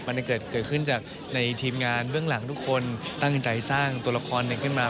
มันเกิดขึ้นจากในทีมงานเบื้องหลังทุกคนตั้งใจสร้างตัวละครหนึ่งขึ้นมา